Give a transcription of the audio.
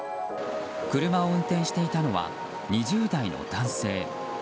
車を運転していたのは２０代の男性。